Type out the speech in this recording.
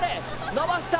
伸ばした。